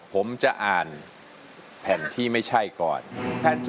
ผมจะอ่านแผ่นที่ไม่ใช่ก่อน